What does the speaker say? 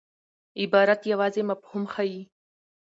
عبارت یوازي مفهوم ښيي.